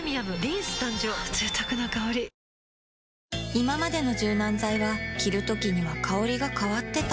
いままでの柔軟剤は着るときには香りが変わってた